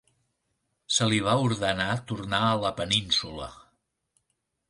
Se li va ordenar tornar a la península.